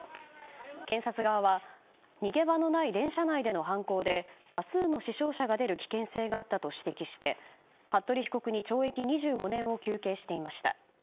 検察側は逃げ場のない電車内での犯行で多数の死傷者が出る危険性があったと指摘して服部被告に懲役２５年を求刑していました。